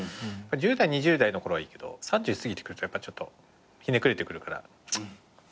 １０代２０代のころはいいけど３０過ぎてくるとやっぱちょっとひねくれてくるからチッ！